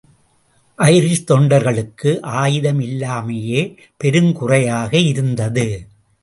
Irish தொண்டர்களுக்கு ஆயுதம் இல்லாமையே பெருங்குறையாக இருந்தது.